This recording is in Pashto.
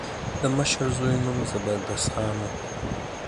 د مشر زوی نوم زبردست خان و.